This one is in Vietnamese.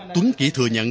túng chỉ thừa nhận